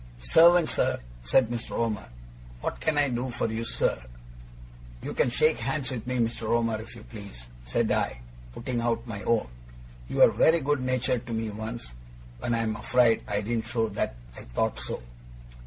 'Servant, sir,' said Mr. Omer. 'What can I do for you, sir?' 'You can shake hands with me, Mr. Omer, if you please,' said I, putting out my own. 'You were very good natured to me once, when I am afraid I didn't show that I thought so.